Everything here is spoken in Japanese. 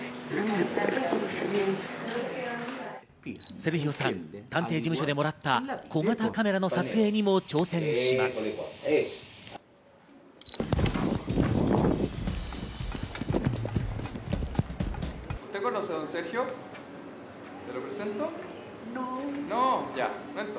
セルヒオさん、探偵事務所でもらった小型カメラの撮影にも挑戦します。